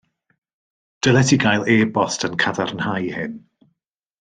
Dylet ti gael e-bost yn cadarnhau hyn.